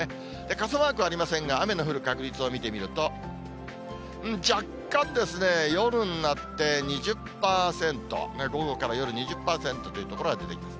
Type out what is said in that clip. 傘マークありませんが、雨の降る確率を見てみると、若干ですね、夜になって、２０％、夜２０％という所が出てきます。